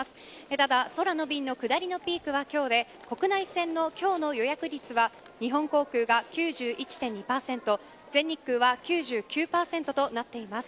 ただ、空の便の下りのピークは今日で国内線の今日の予約率は日本航空が９１．２％全日空は９９％となっています。